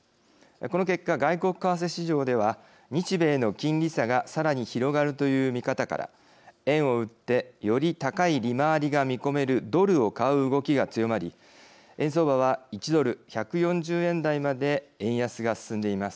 この結果外国為替市場では日米の金利差がさらに広がるという見方から円を売ってより高い利回りが見込めるドルを買う動きが強まり円相場は１ドル１４０円台まで円安が進んでいます。